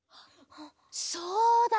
そうだ！